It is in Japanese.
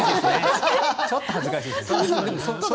ちょっと恥ずかしいですね。